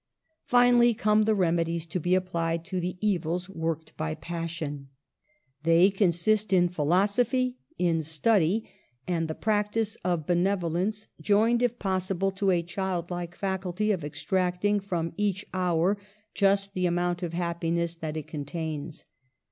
Finally come the remedies to be applied to the evils worked by passion. They consist in phi losophy, in study, and the practice of benevo lence, joined, if possible, to a child like faculty of extracting from each hour just the amount of happiness that it contains.